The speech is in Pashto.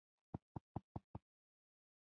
د بدلون لپاره له پوره واکونو څخه برخمن دی.